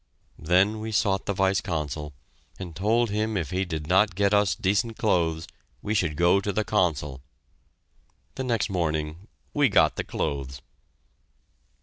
Then we sought the Vice Consul and told him if he did not get us decent clothes, we should go to the Consul. The next morning we got the clothes!